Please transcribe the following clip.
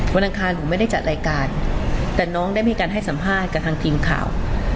อังคารหนูไม่ได้จัดรายการแต่น้องได้มีการให้สัมภาษณ์กับทางทีมข่าว